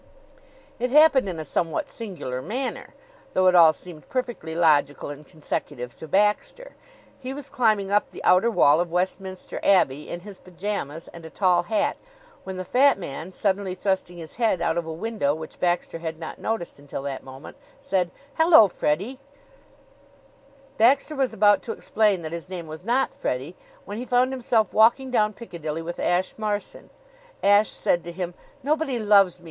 It happened in a somewhat singular manner, though it all seemed perfectly logical and consecutive to Baxter. He was climbing up the outer wall of Westminster Abbey in his pyjamas and a tall hat, when the fat man, suddenly thrusting his head out of a window which Baxter had not noticed until that moment, said, "Hello, Freddie!" Baxter was about to explain that his name was not Freddie when he found himself walking down Piccadilly with Ashe Marson. Ashe said to him: "Nobody loves me.